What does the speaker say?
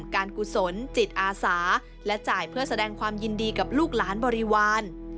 กุศลจิตอาสาและจ่ายเพื่อแสดงความยินดีกับลูกหลานบริวาร